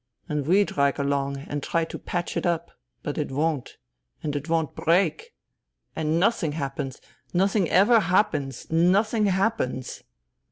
And we drag along, and try to patch it up ... but it won't. And it won't break. And nothing happens. Nothing ever happens. Nothing happens.